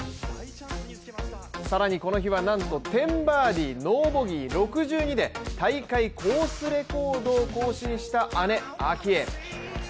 更にこの日はなんと１０バーディー・ノーボギー６２で大会コースレコードを更新した姉・明愛。